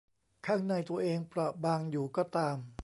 ข้างในตัวเองเปราะบางอยู่ก็ตาม